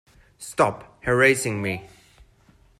Stop harassing me!